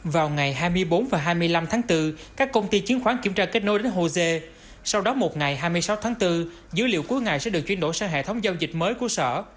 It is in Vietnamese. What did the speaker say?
vào ngày hai mươi bốn và hai mươi năm tháng bốn các công ty chứng khoán kiểm tra kết nối đến hồ dê sau đó một ngày hai mươi sáu tháng bốn dữ liệu cuối ngày sẽ được chuyển đổi sang hệ thống giao dịch mới của sở